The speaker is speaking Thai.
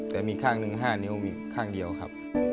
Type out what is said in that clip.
แต่มีข้างหนึ่ง๕นิ้วข้างเดียวครับ